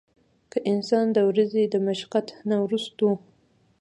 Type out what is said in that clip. کۀ انسان د ورځې د مشقت نه وروستو